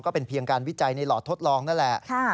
เพียงการวิจัยในหลอดทดลองนั่นแหละ